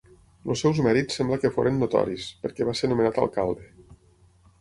Els seus mèrits sembla que foren notoris, perquè va ser nomenat alcalde.